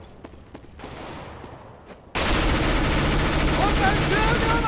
本番１０秒前！